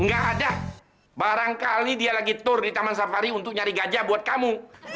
gak ada barangkali dia lagi tour di taman safari untuk nyari gajah buat kamu